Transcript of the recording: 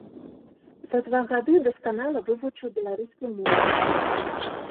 За два гады дасканала вывучыў беларускую мову.